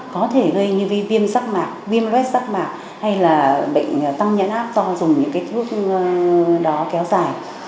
có thể gây như viêm sắc mạc viêm lết rác mạc hay là bệnh tăng nhãn áp do dùng những cái thuốc đó kéo dài